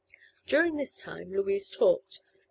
During this time Louise talked.